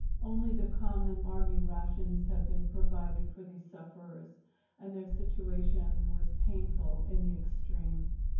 Only the common army rations had been provided for these sufferers, and their situation was painful in the extreme.